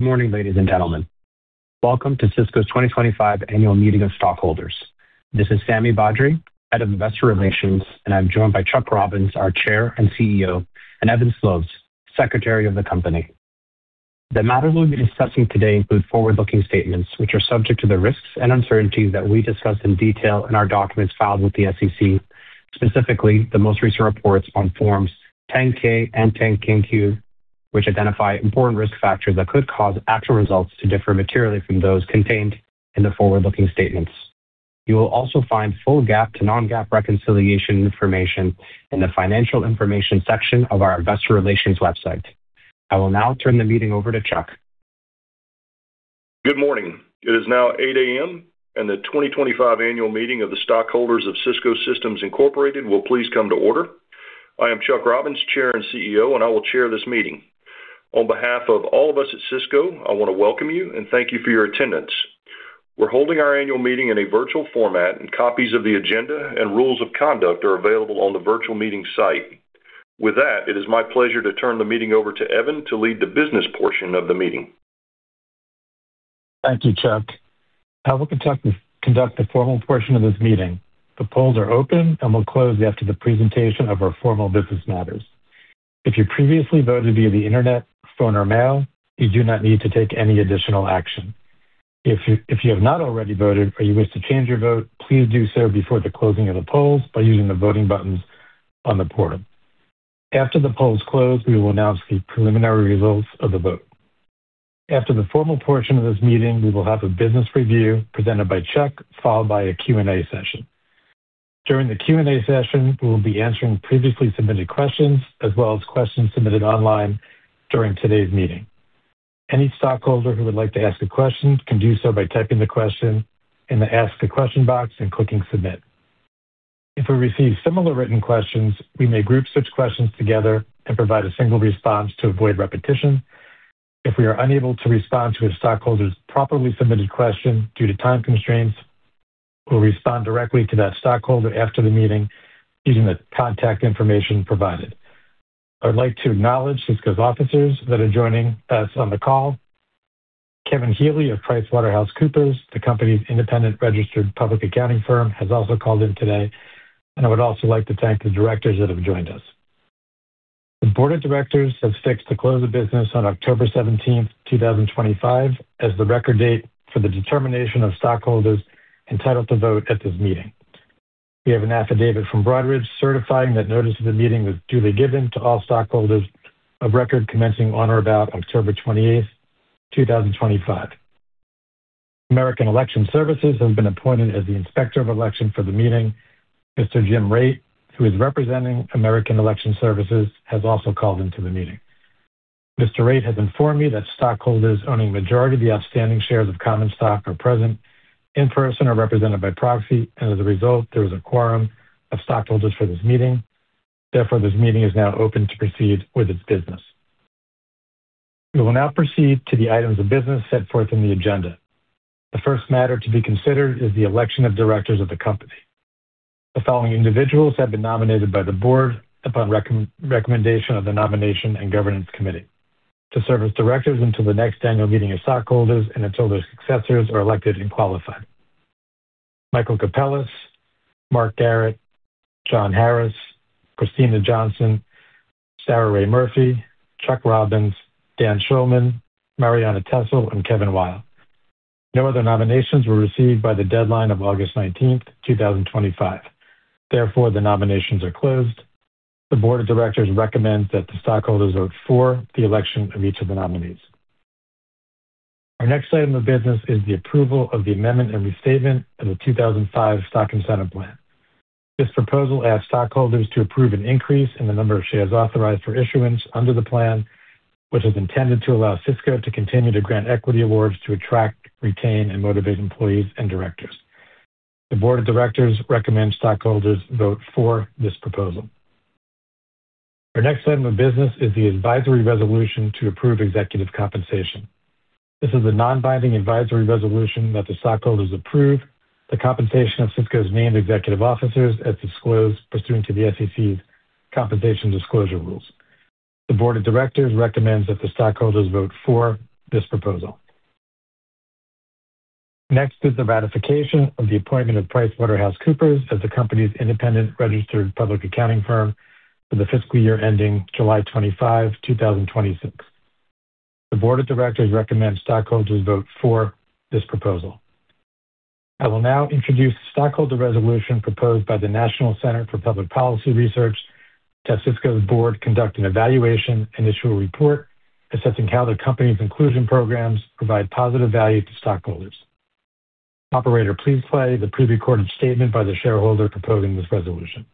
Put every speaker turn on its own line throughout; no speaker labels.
Good morning, ladies and gentlemen. Welcome to Cisco's 2025 Annual Meeting of Stockholders. This is Sami Badri, Head of Investor Relations, and I'm joined by Chuck Robbins, our Chair and CEO, and Evan Sloves, Secretary of the Company. The matters we'll be discussing today include forward-looking statements, which are subject to the risks and uncertainties that we discussed in detail in our documents filed with the SEC, specifically the most recent reports on Forms 10-K and 10-Q, which identify important risk factors that could cause actual results to differ materially from those contained in the forward-looking statements. You will also find full GAAP to non-GAAP reconciliation information in the financial information section of our Investor Relations website. I will now turn the meeting over to Chuck.
Good morning. It is now 8:00 A.M., and the 2025 Annual Meeting of the Stockholders of Cisco Systems Incorporated will please come to order. I am Chuck Robbins, Chair and CEO, and I will chair this meeting. On behalf of all of us at Cisco, I want to welcome you and thank you for your attendance. We're holding our annual meeting in a virtual format, and copies of the agenda and rules of conduct are available on the virtual meeting site. With that, it is my pleasure to turn the meeting over to Evan to lead the business portion of the meeting.
Thank you, Chuck. I will conduct the formal portion of this meeting. The polls are open and will close after the presentation of our formal business matters. If you previously voted via the internet, phone, or mail, you do not need to take any additional action. If you have not already voted or you wish to change your vote, please do so before the closing of the polls by using the voting buttons on the portal. After the polls close, we will announce the preliminary results of the vote. After the formal portion of this meeting, we will have a business review presented by Chuck, followed by a Q&A session. During the Q&A session, we will be answering previously submitted questions as well as questions submitted online during today's meeting. Any stockholder who would like to ask a question can do so by typing the question in the Ask a Question box and clicking Submit. If we receive similar written questions, we may group such questions together and provide a single response to avoid repetition. If we are unable to respond to a stockholder's properly submitted question due to time constraints, we'll respond directly to that stockholder after the meeting using the contact information provided. I would like to acknowledge Cisco's officers that are joining us on the call. Kevin Healy of PricewaterhouseCoopers, the company's independent registered public accounting firm, has also called in today, and I would also like to thank the directors that have joined us. The board of directors has fixed the close of business on October 17, 2025, as the record date for the determination of stockholders entitled to vote at this meeting. We have an affidavit from Broadridge certifying that notice of the meeting was duly given to all stockholders of record commencing on or about October 28, 2025. American Election Services has been appointed as the inspector of election for the meeting. Mr. Jim Raitt, who is representing American Election Services, has also called into the meeting. Mr. Raitt has informed me that stockholders owning a majority of the outstanding shares of Common Stock are present in person or represented by proxy, and as a result, there is a quorum of stockholders for this meeting. Therefore, this meeting is now open to proceed with its business. We will now proceed to the items of business set forth in the agenda. The first matter to be considered is the election of directors of the company. The following individuals have been nominated by the board upon recommendation of the Nomination and Governance Committee to serve as directors until the next annual meeting of stockholders and until their successors are elected and qualified: Michael Capellas, Mark Garrett, John Harris, Kristina Johnson, Sarah Rae Murphy, Chuck Robbins, Dan Schulman, Marianna Tessel, and Kevin Weil. No other nominations were received by the deadline of August 19, 2025. Therefore, the nominations are closed. The board of directors recommends that the stockholders vote for the election of each of the nominees. Our next item of business is the approval of the amendment and restatement of the 2005 Stock Incentive Plan. This proposal asks stockholders to approve an increase in the number of shares authorized for issuance under the plan, which is intended to allow Cisco to continue to grant equity awards to attract, retain, and motivate employees and directors. The board of directors recommends stockholders vote for this proposal. Our next item of business is the advisory resolution to approve executive compensation. This is a non-binding advisory resolution that the stockholders approve the compensation of Cisco's named executive officers as disclosed pursuant to the SEC's compensation disclosure rules. The board of directors recommends that the stockholders vote for this proposal. Next is the ratification of the appointment of PricewaterhouseCoopers as the company's independent registered public accounting firm for the fiscal year ending July 25, 2026. The board of directors recommends stockholders vote for this proposal. I will now introduce the stockholder resolution proposed by the National Center for Public Policy Research to ask Cisco's board to conduct an evaluation and issue a report assessing how the company's inclusion programs provide positive value to stockholders. Operator, please play the pre-recorded statement by the shareholder proposing this resolution.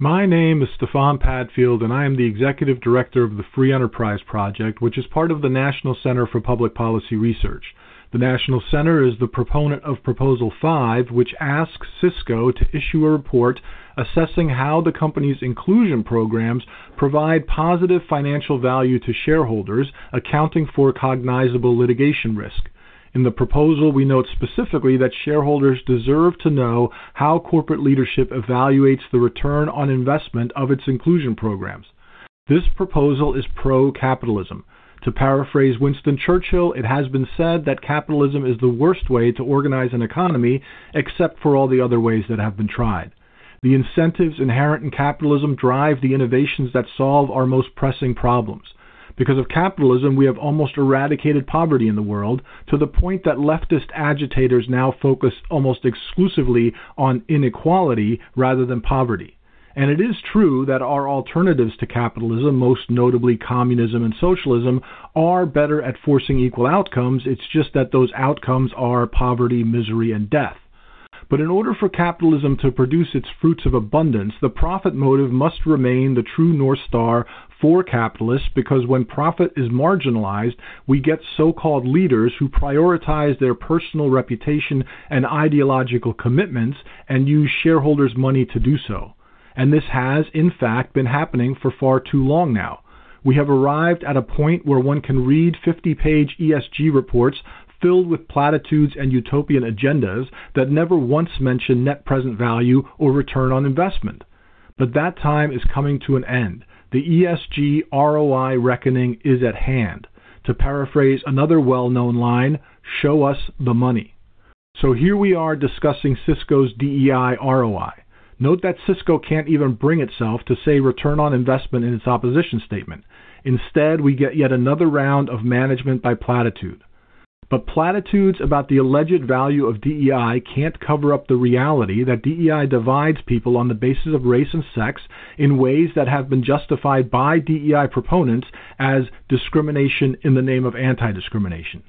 My name is Stefan Padfield, and I am the Executive Director of the Free Enterprise Project, which is part of the National Center for Public Policy Research. The National Center is the proponent of Proposal 5, which asks Cisco to issue a report assessing how the company's inclusion programs provide positive financial value to shareholders, accounting for cognizable litigation risk. In the proposal, we note specifically that shareholders deserve to know how corporate leadership evaluates the return on investment of its inclusion programs. This proposal is pro-capitalism. To paraphrase Winston Churchill, it has been said that capitalism is the worst way to organize an economy, except for all the other ways that have been tried. The incentives inherent in capitalism drive the innovations that solve our most pressing problems. Because of capitalism, we have almost eradicated poverty in the world to the point that leftist agitators now focus almost exclusively on inequality rather than poverty. And it is true that our alternatives to capitalism, most notably communism and socialism, are better at forcing equal outcomes. It's just that those outcomes are poverty, misery, and death. But in order for capitalism to produce its fruits of abundance, the profit motive must remain the true North Star for capitalists because when profit is marginalized, we get so-called leaders who prioritize their personal reputation and ideological commitments and use shareholders' money to do so. And this has, in fact, been happening for far too long now. We have arrived at a point where one can read 50-page ESG reports filled with platitudes and utopian agendas that never once mention net present value or return on investment. But that time is coming to an end. The ESG ROI reckoning is at hand. To paraphrase another well-known line, "Show us the money." So here we are discussing Cisco's DEI ROI. Note that Cisco can't even bring itself to say return on investment in its opposition statement. Instead, we get yet another round of management by platitude. But platitudes about the alleged value of DEI can't cover up the reality that DEI divides people on the basis of race and sex in ways that have been justified by DEI proponents as discrimination in the name of anti-discrimination.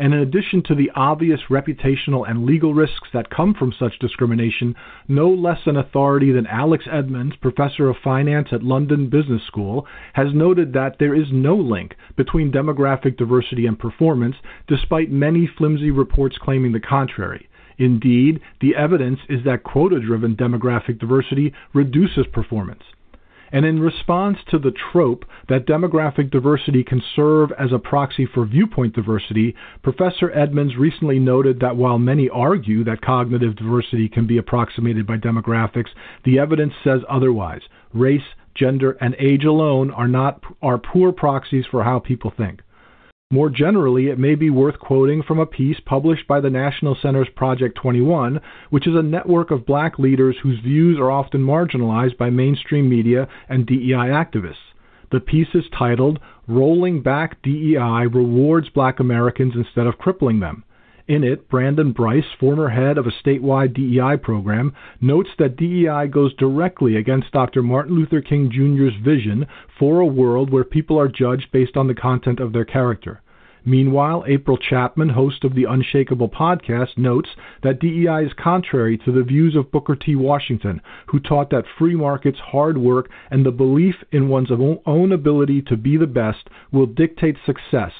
And in addition to the obvious reputational and legal risks that come from such discrimination, no less an authority than Alex Edmans, Professor of Finance at London Business School, has noted that there is no link between demographic diversity and performance despite many flimsy reports claiming the contrary. Indeed, the evidence is that quota-driven demographic diversity reduces performance. And in response to the trope that demographic diversity can serve as a proxy for viewpoint diversity, Professor Edmans recently noted that while many argue that cognitive diversity can be approximated by demographics, the evidence says otherwise. Race, gender, and age alone are poor proxies for how people think. More generally, it may be worth quoting from a piece published by the National Center's Project 21, which is a network of Black leaders whose views are often marginalized by mainstream media and DEI activists. The piece is titled, "Rolling Back DEI Rewards Black Americans Instead of Crippling Them." In it, Brandon Brice, former head of a statewide DEI program, notes that DEI goes directly against Dr. Martin Luther King Jr.'s vision for a world where people are judged based on the content of their character. Meanwhile, April Chapman, host of the Unshakeable podcast, notes that DEI is contrary to the views of Booker T. Washington, who taught that free markets, hard work, and the belief in one's own ability to be the best will dictate success.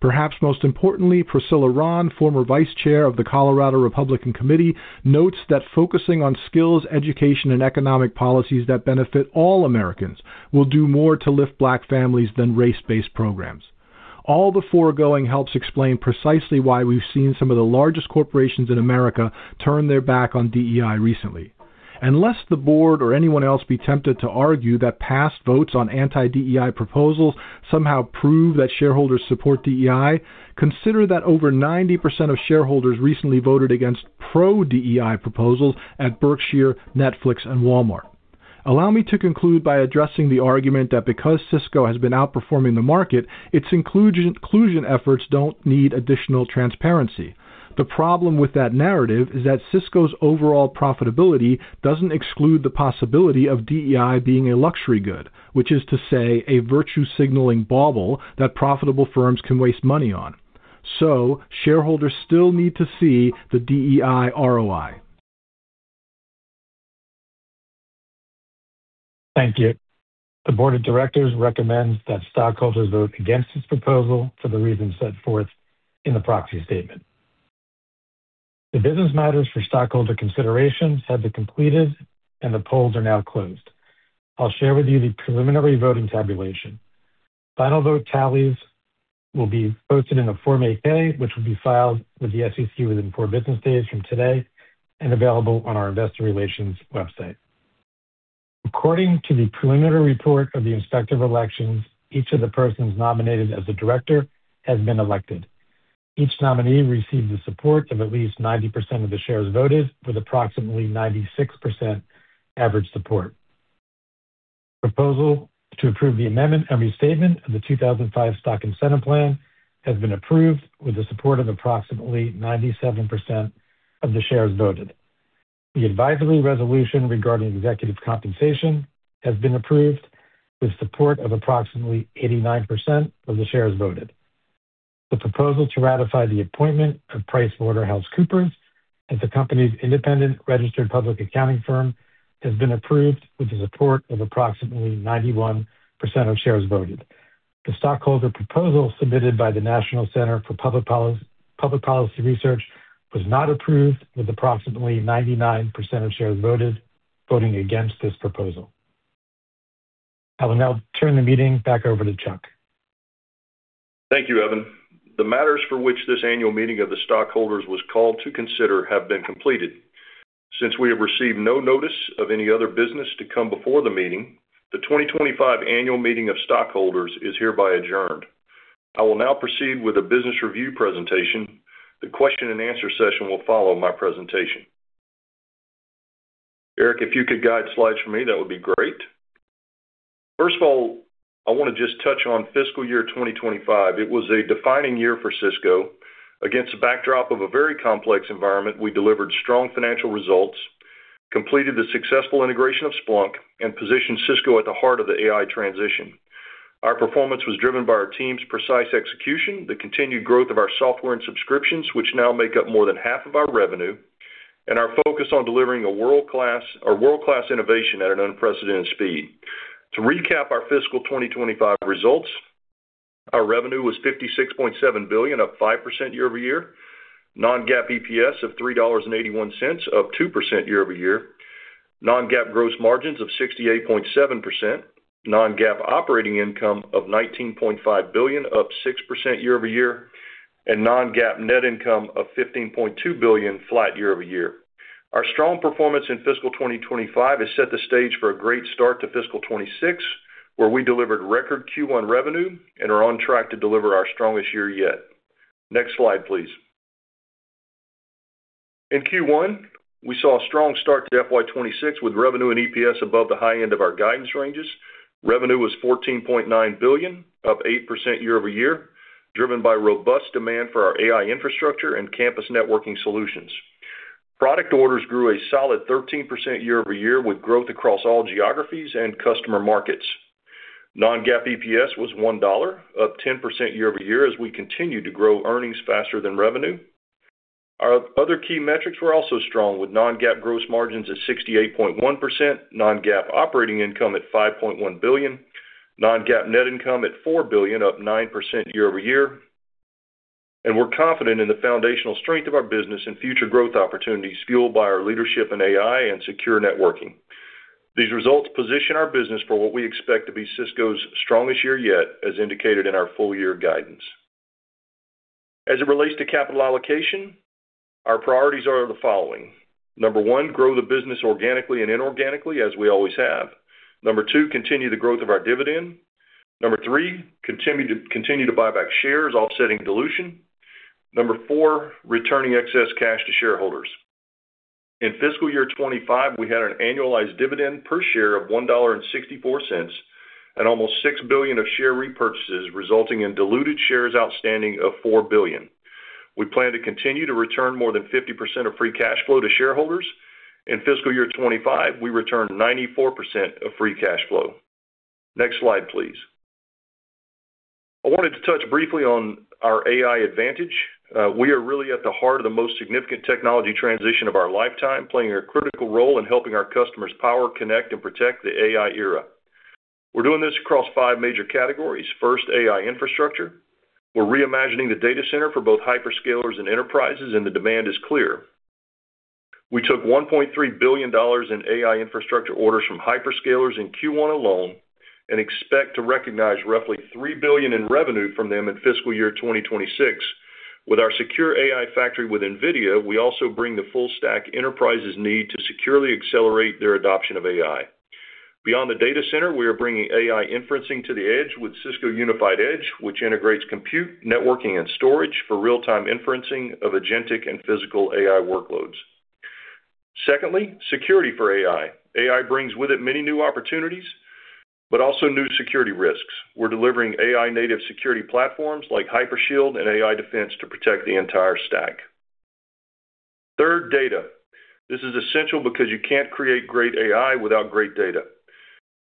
Perhaps most importantly, Priscilla Rahn, former vice chair of the Colorado Republican Committee, notes that focusing on skills, education, and economic policies that benefit all Americans will do more to lift Black families than race-based programs. All the foregoing helps explain precisely why we've seen some of the largest corporations in America turn their back on DEI recently. Lest the board or anyone else be tempted to argue that past votes on anti-DEI proposals somehow prove that shareholders support DEI, consider that over 90% of shareholders recently voted against pro-DEI proposals at Berkshire, Netflix, and Walmart. Allow me to conclude by addressing the argument that because Cisco has been outperforming the market, its inclusion efforts don't need additional transparency. The problem with that narrative is that Cisco's overall profitability doesn't exclude the possibility of DEI being a luxury good, which is to say a virtue-signaling bauble that profitable firms can waste money on. So shareholders still need to see the DEI ROI.
Thank you. The board of directors recommends that stockholders vote against this proposal for the reasons set forth in the proxy statement. The business matters for stockholder consideration have been completed, and the polls are now closed. I'll share with you the preliminary voting tabulation. Final vote tallies will be posted in a Form 8-K, which will be filed with the SEC within four business days from today and available on our investor relations website. According to the preliminary report of the inspector of elections, each of the persons nominated as a director has been elected. Each nominee received the support of at least 90% of the shares voted with approximately 96% average support. The proposal to approve the amendment and restatement of the 2005 Stock Incentive Plan has been approved with the support of approximately 97% of the shares voted. The advisory resolution regarding executive compensation has been approved with support of approximately 89% of the shares voted. The proposal to ratify the appointment of PricewaterhouseCoopers as the company's independent registered public accounting firm has been approved with the support of approximately 91% of shares voted. The stockholder proposal submitted by the National Center for Public Policy Research was not approved with approximately 99% of shares voted voting against this proposal. I will now turn the meeting back over to Chuck.
Thank you, Evan. The matters for which this annual meeting of the stockholders was called to consider have been completed. Since we have received no notice of any other business to come before the meeting, the 2025 annual meeting of stockholders is hereby adjourned. I will now proceed with a business review presentation. The question-and-answer session will follow my presentation. Eric, if you could guide slides for me, that would be great. First of all, I want to just touch on fiscal year 2025. It was a defining year for Cisco. Against the backdrop of a very complex environment, we delivered strong financial results, completed the successful integration of Splunk, and positioned Cisco at the heart of the AI transition. Our performance was driven by our team's precise execution, the continued growth of our software and subscriptions, which now make up more than half of our revenue, and our focus on delivering a world-class innovation at an unprecedented speed. To recap our fiscal 2025 results, our revenue was $56.7 billion, up 5% year-over-year, non-GAAP EPS of $3.81, up 2% year-over-year, non-GAAP gross margins of 68.7%, non-GAAP operating income of $19.5 billion, up 6% year-over-year, and non-GAAP net income of $15.2 billion, flat year-over-year. Our strong performance in fiscal 2025 has set the stage for a great start to fiscal 2026, where we delivered record Q1 revenue and are on track to deliver our strongest year yet. Next slide, please. In Q1, we saw a strong start to FY 2026 with revenue and EPS above the high end of our guidance ranges. Revenue was $14.9 billion, up 8% year-over-year, driven by robust demand for our AI infrastructure and campus networking solutions. Product orders grew a solid 13% year-over-year with growth across all geographies and customer markets. Non-GAAP EPS was $1, up 10% year-over-year as we continued to grow earnings faster than revenue. Our other key metrics were also strong, with non-GAAP gross margins at 68.1%, non-GAAP operating income at $5.1 billion, non-GAAP net income at $4 billion, up 9% year-over-year. And we're confident in the foundational strength of our business and future growth opportunities fueled by our leadership in AI and secure networking. These results position our business for what we expect to be Cisco's strongest year yet, as indicated in our full-year guidance. As it relates to capital allocation, our priorities are the following. Number one, grow the business organically and inorganically, as we always have. Number two, continue the growth of our dividend. Number three, continue to buy back shares, offsetting dilution. Number four, returning excess cash to shareholders. In fiscal year 2025, we had an annualized dividend per share of $1.64 and almost six billion of share repurchases, resulting in diluted shares outstanding of four billion. We plan to continue to return more than 50% of free cash flow to shareholders. In fiscal year 2025, we returned 94% of free cash flow. Next slide, please. I wanted to touch briefly on our AI advantage. We are really at the heart of the most significant technology transition of our lifetime, playing a critical role in helping our customers power, connect, and protect the AI era. We're doing this across five major categories. First, AI infrastructure. We're reimagining the data center for both hyperscalers and enterprises, and the demand is clear. We took $1.3 billion in AI infrastructure orders from hyperscalers in Q1 alone and expect to recognize roughly $3 billion in revenue from them in fiscal year 2026. With our secure AI factory with NVIDIA, we also bring the full-stack enterprises' need to securely accelerate their adoption of AI. Beyond the data center, we are bringing AI inferencing to the edge with Cisco Unified Edge, which integrates compute, networking, and storage for real-time inferencing of agentic and physical AI workloads. Secondly, security for AI. AI brings with it many new opportunities, but also new security risks. We're delivering AI-native security platforms like Hypershield and AI Defense to protect the entire stack. Third, data. This is essential because you can't create great AI without great data.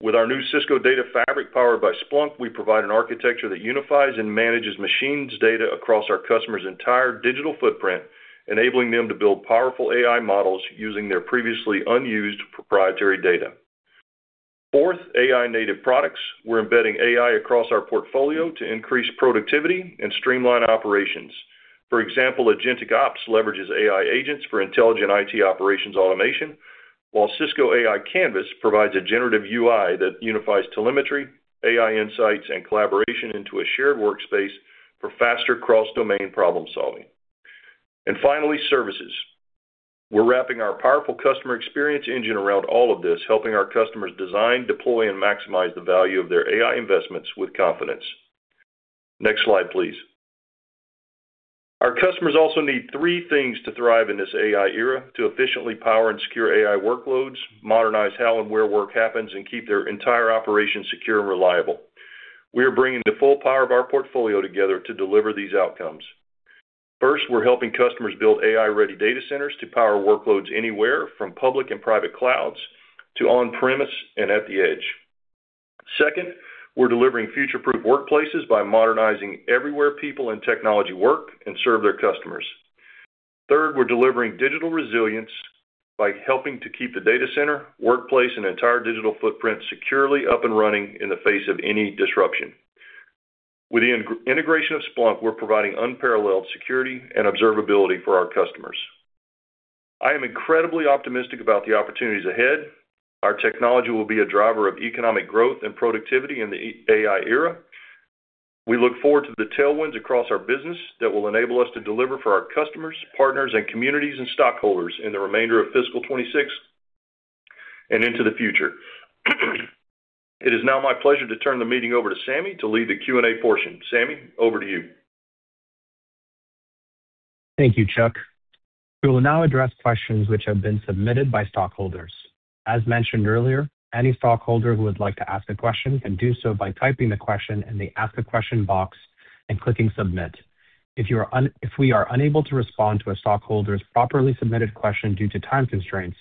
With our new Cisco Data Fabric powered by Splunk, we provide an architecture that unifies and manages machines' data across our customers' entire digital footprint, enabling them to build powerful AI models using their previously unused proprietary data. Fourth, AI-native products. We're embedding AI across our portfolio to increase productivity and streamline operations. For example, AgenticOps leverages AI agents for intelligent IT operations automation, while Cisco AI Canvas provides a generative UI that unifies telemetry, AI insights, and collaboration into a shared workspace for faster cross-domain problem-solving. And finally, services. We're wrapping our powerful customer experience engine around all of this, helping our customers design, deploy, and maximize the value of their AI investments with confidence. Next slide, please. Our customers also need three things to thrive in this AI era: to efficiently power and secure AI workloads, modernize how and where work happens, and keep their entire operation secure and reliable. We are bringing the full power of our portfolio together to deliver these outcomes. First, we're helping customers build AI-ready data centers to power workloads anywhere from public and private clouds to on-premises and at the edge. Second, we're delivering future-proof workplaces by modernizing everywhere people and technology work and serve their customers. Third, we're delivering digital resilience by helping to keep the data center, workplace, and entire digital footprint securely up and running in the face of any disruption. With the integration of Splunk, we're providing unparalleled security and observability for our customers. I am incredibly optimistic about the opportunities ahead. Our technology will be a driver of economic growth and productivity in the AI era. We look forward to the tailwinds across our business that will enable us to deliver for our customers, partners, and communities and stockholders in the remainder of fiscal 2026 and into the future. It is now my pleasure to turn the meeting over to Sami to lead the Q&A portion. Sami, over to you.
Thank you, Chuck. We will now address questions which have been submitted by stockholders. As mentioned earlier, any stockholder who would like to ask a question can do so by typing the question in the Ask a Question box and clicking Submit. If we are unable to respond to a stockholder's properly submitted question due to time constraints,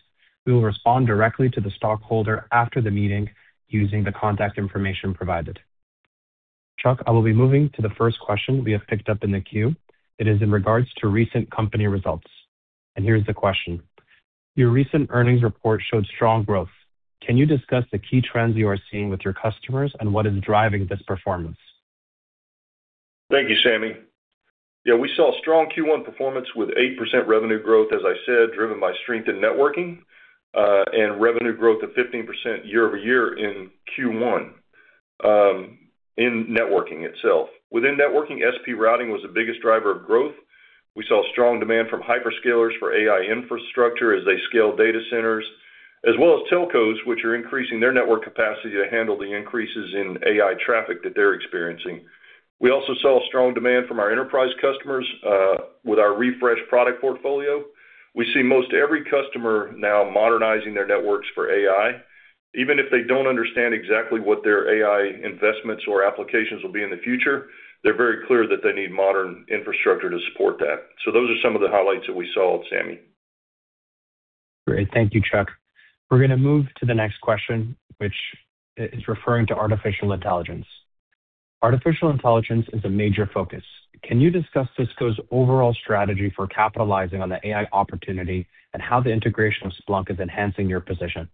we will respond directly to the stockholder after the meeting using the contact information provided. Chuck, I will be moving to the first question we have picked up in the queue. It is in regards to recent company results. And here's the question. Your recent earnings report showed strong growth. Can you discuss the key trends you are seeing with your customers and what is driving this performance?
Thank you, Sami. Yeah, we saw strong Q1 performance with 8% revenue growth, as I said, driven by strength in networking and revenue growth of 15% year-over-year in Q1 in networking itself. Within networking, SP routing was the biggest driver of growth. We saw strong demand from hyperscalers for AI infrastructure as they scale data centers, as well as telcos, which are increasing their network capacity to handle the increases in AI traffic that they're experiencing. We also saw strong demand from our enterprise customers with our refreshed product portfolio. We see most every customer now modernizing their networks for AI. Even if they don't understand exactly what their AI investments or applications will be in the future, they're very clear that they need modern infrastructure to support that. So those are some of the highlights that we saw with Sami.
Great. Thank you, Chuck. We're going to move to the next question, which is referring to artificial intelligence. Artificial intelligence is a major focus. Can you discuss Cisco's overall strategy for capitalizing on the AI opportunity and how the integration of Splunk is enhancing your position?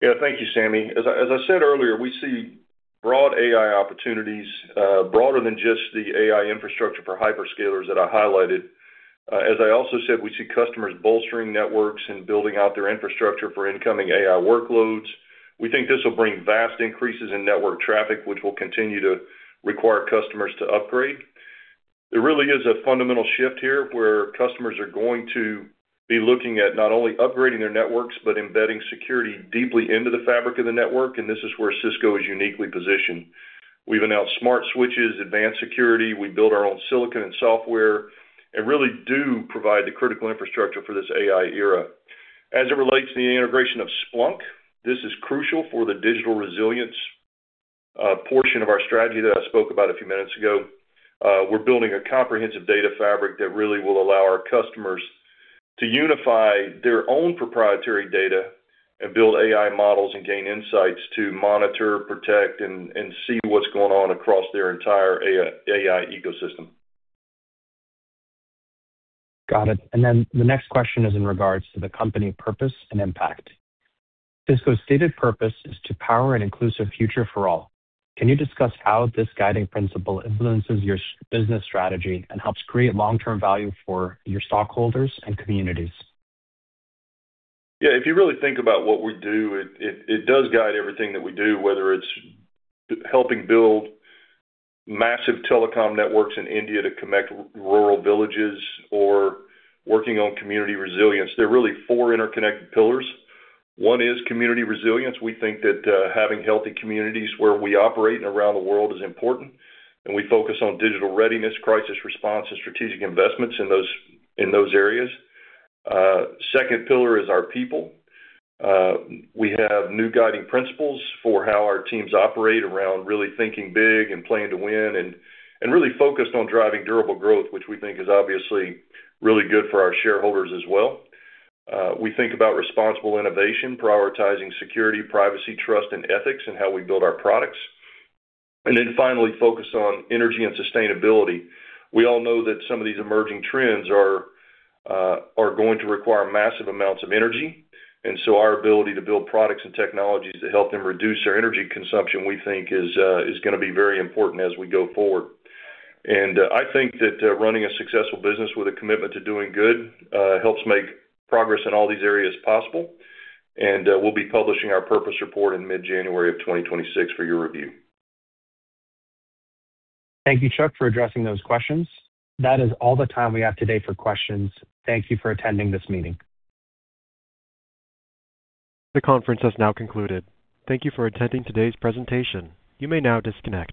Yeah, thank you, Sami. As I said earlier, we see broad AI opportunities broader than just the AI infrastructure for hyperscalers that I highlighted. As I also said, we see customers bolstering networks and building out their infrastructure for incoming AI workloads. We think this will bring vast increases in network traffic, which will continue to require customers to upgrade. It really is a fundamental shift here where customers are going to be looking at not only upgrading their networks, but embedding security deeply into the fabric of the network, and this is where Cisco is uniquely positioned. We've announced smart switches, advanced security. We build our own silicon and software and really do provide the critical infrastructure for this AI era. As it relates to the integration of Splunk, this is crucial for the digital resilience portion of our strategy that I spoke about a few minutes ago. We're building a comprehensive data fabric that really will allow our customers to unify their own proprietary data and build AI models and gain insights to monitor, protect, and see what's going on across their entire AI ecosystem.
Got it. And then the next question is in regards to the company purpose and impact. Cisco's stated purpose is to power an inclusive future for all. Can you discuss how this guiding principle influences your business strategy and helps create long-term value for your stockholders and communities?
Yeah. If you really think about what we do, it does guide everything that we do, whether it's helping build massive telecom networks in India to connect rural villages or working on community resilience. There are really four interconnected pillars. One is community resilience. We think that having healthy communities where we operate and around the world is important, and we focus on digital readiness, crisis response, and strategic investments in those areas. Second pillar is our people. We have new guiding principles for how our teams operate around really thinking big and playing to win and really focused on driving durable growth, which we think is obviously really good for our shareholders as well. We think about responsible innovation, prioritizing security, privacy, trust, and ethics in how we build our products, and then finally, focus on energy and sustainability. We all know that some of these emerging trends are going to require massive amounts of energy, and so our ability to build products and technologies that help them reduce their energy consumption, we think, is going to be very important as we go forward, and I think that running a successful business with a commitment to doing good helps make progress in all these areas possible, and we'll be publishing our purpose report in mid-January of 2026 for your review.
Thank you, Chuck, for addressing those questions. That is all the time we have today for questions. Thank you for attending this meeting.
The conference has now concluded. Thank you for attending today's presentation. You may now disconnect.